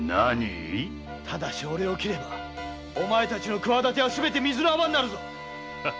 ただしオレを斬ればお前たちのくわだてはすべて水の泡になる！